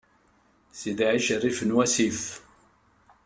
Sidi ɛic rrif n wassif.